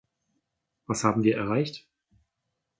Was haben wir erreicht?